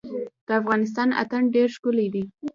د افغانستان اتن ډیر ښکلی دی